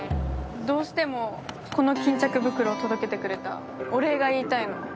どうしてもこの巾着袋を届けてくれたお礼が言いたいの。